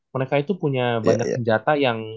mereka itu punya banyak senjata yang